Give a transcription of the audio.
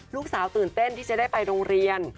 ตื่นเต้นที่จะได้ไปโรงเรียน